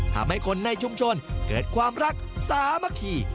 ทำให้คนในชุมชนเกิดความรักสามัคคี